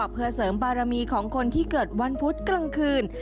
เพื่อเสริมบารมีของคนที่เกิดวันพุธกลางคืน